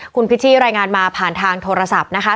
คุณพิชชี่รายงานมาผ่านทางโทรศัพท์นะคะ